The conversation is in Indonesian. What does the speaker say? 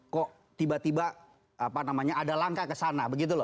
kok tiba tiba ada langkah ke sana begitu loh